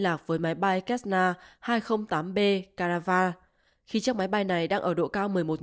lạc với máy bay kessler hai trăm linh tám b caravale khi chiếc máy bay này đang ở độ cao một mươi một feet khoảng